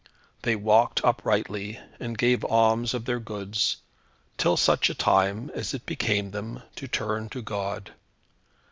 They walked uprightly, and gave alms of their goods, till such a time as it became them to turn to God.